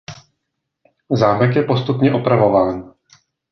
Zámek je postupně opravován.